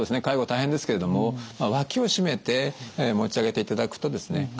介護大変ですけれども脇を締めて持ち上げていただくとですね